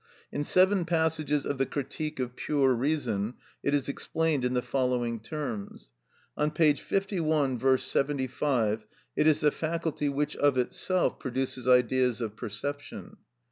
In seven passages of the "Critique of Pure Reason" it is explained in the following terms. On p. 51; V. 75, it is the faculty which of itself produces ideas of perception.